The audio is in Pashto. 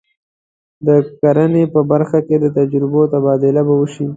د کرنې په برخه کې د تجربو تبادله به وشي.